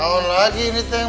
tahun lagi nih teng